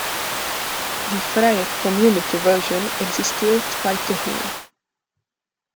Die freie Community-Version existiert weiterhin.